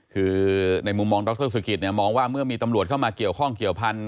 คือในมุมมองดรสุกิตเนี่ยมองว่าเมื่อมีตำรวจเข้ามาเกี่ยวข้องเกี่ยวพันธ